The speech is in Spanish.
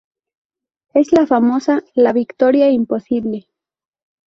Es la famosa ""La Victoria Imposible"".